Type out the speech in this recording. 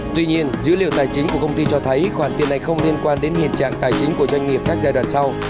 tuy nhiên dữ liệu tài chính của công ty cho thấy khoản tiền này không liên quan đến hiện trạng tài chính của doanh nghiệp các giai đoạn sau